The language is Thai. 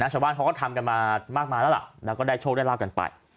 ชาวบ้านเขาก็ทำกันมามากมายแล้วล่ะแล้วก็ได้โชคได้ลาบกันไป